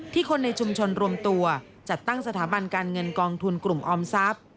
คนในชุมชนรวมตัวจัดตั้งสถาบันการเงินกองทุนกลุ่มออมทรัพย์